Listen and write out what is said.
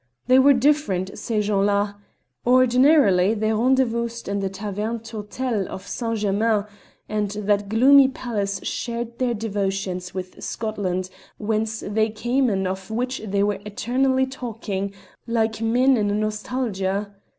They were different, ces gens là. Ordinarily they rendezvoused in the Taverne Tourtel of St. Germains, and that gloomy palace shared their devotions with Scotland, whence they came and of which they were eternally talking, like men in a nostalgia.